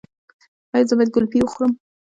ایا زه باید ګلپي وخورم؟